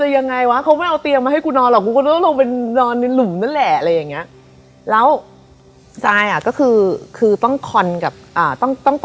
ย่าอยากได้ยังไงก็บอกละกัน